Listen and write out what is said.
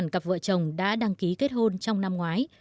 sáu trăm linh cặp vợ chồng đã đăng ký kết hôn trong năm ngoái